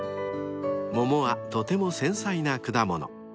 ［桃はとても繊細な果物］